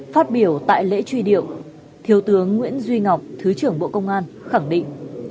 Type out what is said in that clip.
phát biểu tại lễ truy điệu thiếu tướng nguyễn duy ngọc thứ trưởng bộ công an khẳng định